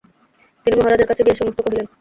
তিনি মহারাজের কাছে গিয়া সমস্ত কহিলেন।